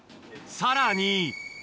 さらに。